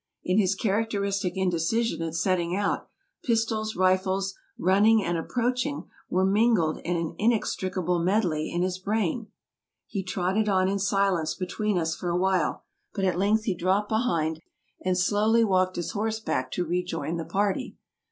In his characteristic indecision, at setting out, pistols, rifles, "running " and " approaching " were mingled in an inex AMERICA 75 tricable medley in his brain. He trotted on in silence be tween us for a while: but at length he dropped behind, and slowly walked his horse back to rejoin the party.